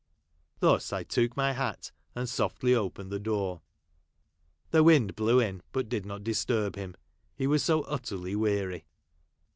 Thus I took my hat, and softly opened the door. The wind blew in, but did not 'disturb him, he was so utterly weary.